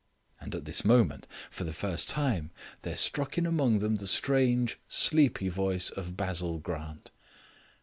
And at this moment, for the first time, there struck in among them the strange, sleepy voice of Basil Grant.